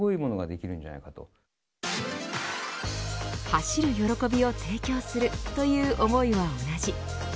走る喜びを提供するという思いは同じ。